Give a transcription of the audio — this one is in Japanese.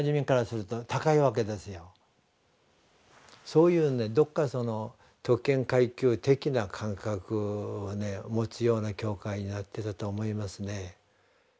そういうどこか特権階級的な感覚を持つような教会になってたと思いますね。